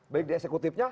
baik di eksekutifnya